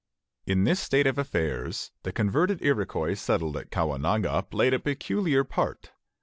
In this state of affairs the converted Iroquois settled at Caughnawaga played a peculiar part.